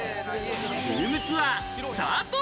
ルームツアースタート。